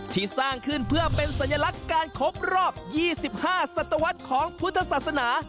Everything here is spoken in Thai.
ที่สร้างขึ้นเพื่อเป็นสัญลักษณ์การครบรอบ๒๕ศัตวรรษของพุทธศาสนา